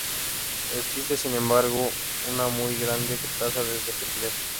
Existe sin embargo una muy grande tasa de desempleo.